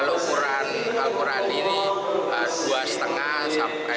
ukurannya berapa ini pak